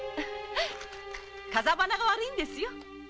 風花が悪いんですよ。